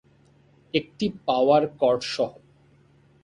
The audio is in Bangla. একটি পাওয়ার কর্ডসহ।